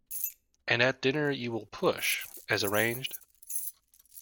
And at dinner you will push, as arranged?